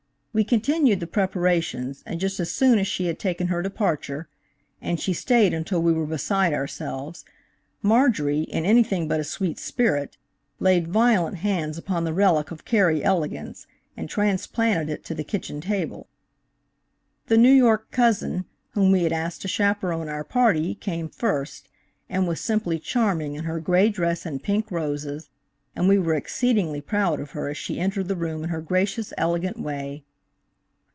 We continued the preparations, and just as soon as she had taken her departure–and she stayed until we were beside ourselves–Marjorie, in anything but a sweet spirit, laid violent hands upon the relic of Carey elegance, and transplanted it to the kitchen table. The New York cousin, whom we had asked to chaperone our party, came first, and was simply charming in her gray dress and pink roses, and we were exceedingly proud of her as she entered the room in her gracious, elegant way.